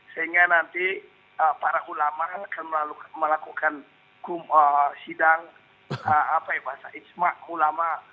sehingga nanti para ulama akan melakukan sidang apa ya bahasa isma ulama